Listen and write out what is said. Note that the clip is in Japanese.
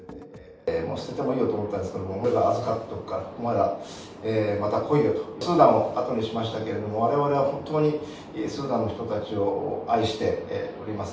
もう捨ててもいいよと思ったんですけど、預かっておくから、また、来いよと、スーダンを後にしましたけれども、われわれは本当にスーダンの人たちを愛しております。